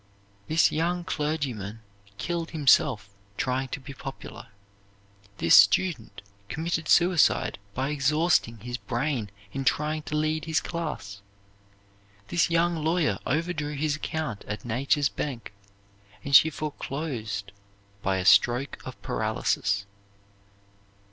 This young clergyman killed himself trying to be popular. This student committed suicide by exhausting his brain in trying to lead his class. This young lawyer overdrew his account at Nature's bank, and she foreclosed by a stroke of paralysis.